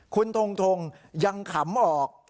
คุณทงทงยังขำออก